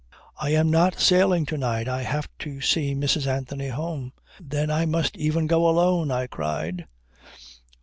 "I am not sailing to night. I have to see Mrs. Anthony home." "Then I must even go alone," I cried.